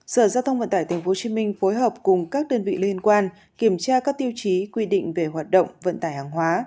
sở giao thông vận tải tp hcm phối hợp cùng các đơn vị liên quan kiểm tra các tiêu chí quy định về hoạt động vận tải hàng hóa